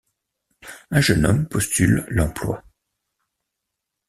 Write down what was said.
Un jeune homme postule l'emploi...